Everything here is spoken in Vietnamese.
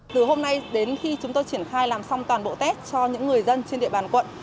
từ hôm nay đến khi chúng tôi triển khai làm xong toàn bộ test cho những người dân trên địa bàn quận